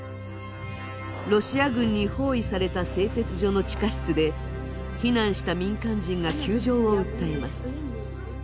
ロシア軍に包囲された製鉄所の地下室で避難した民間人が窮状を訴えます。